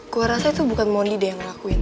gue rasa itu bukan mondi deh yang ngelakuin